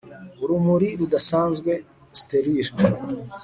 urumuri rudasanzwe sterile